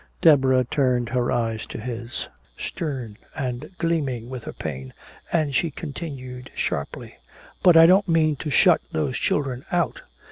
Deborah turned her eyes to his, stern and gleaming with her pain. And she continued sharply: "But I don't mean to shut those children out!